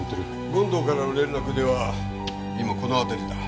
権藤からの連絡では今この辺りだ。